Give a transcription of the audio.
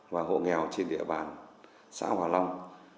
và hộ nghèo trên địa bàn xã hòa long